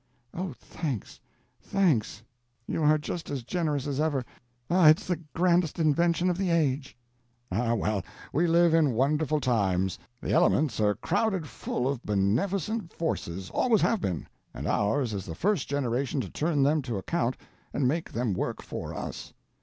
"O, thanks, thanks; you are just as generous as ever. Ah, it's the grandest invention of the age!" "Ah, well; we live in wonderful times. The elements are crowded full of beneficent forces—always have been—and ours is the first generation to turn them to account and make them work for us.